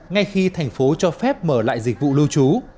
ngay khi thành phố cho phép mở lại dịch vụ lưu trú